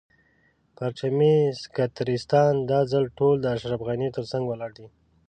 پرچمي سکتریستان دا ځل ټول د اشرف غني تر څنګ ولاړ دي.